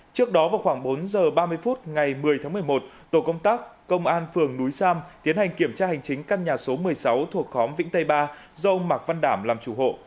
trước đó vào khoảng bốn h ba mươi phút ngày một mươi tháng một mươi một tổ công tác công an phường núi sam tiến hành kiểm tra hành chính căn nhà số một mươi sáu thuộc khóm vĩnh tây ba do ông mạc văn đảm làm chủ hộ